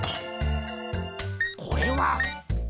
これはっ！